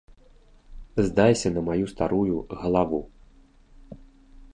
Здайся на маю старую галаву!